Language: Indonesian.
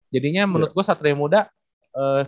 jadinya menurut gue satya yang muda cukup mudah